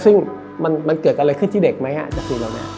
ซึ่งมันเกิดอะไรขึ้นที่เด็กไหมจะคุยเราเนี่ย